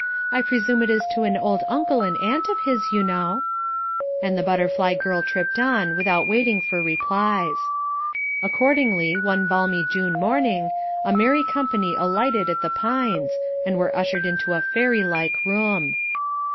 I presume it is to an old uncle and aunt of his, you know," and the butterfly girl tripped on without waiting for replies. Accordingly, one balmy June morning, a merry company alighted at "The Pines," and were ushered into a fairy like room.